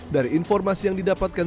dari informasi yang didapatkan